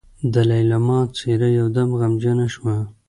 د ليلما څېره يودم غمجنه شوه.